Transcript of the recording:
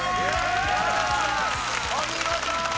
お見事！